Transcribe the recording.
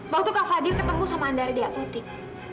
waktu kak fadil ketemu sama andara di apotek